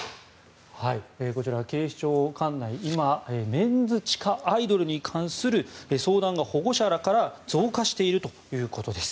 こちら警視庁管内今、メンズ地下アイドルに関する相談が保護者らから増加しているということです。